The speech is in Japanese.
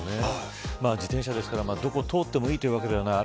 自転車ですから、どこを通ってもいいというわけではない。